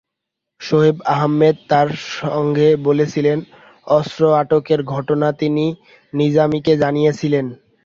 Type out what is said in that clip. শোয়েব আহমেদ তাঁর সাক্ষ্যে বলেছিলেন, অস্ত্র আটকের ঘটনা তিনি নিজামীকে জানিয়েছিলেন।